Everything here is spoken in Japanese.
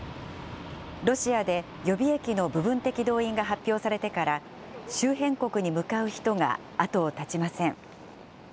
ロシアで予備役の部分的動員が発表されてから、周辺国に向かう人が後を絶ちません。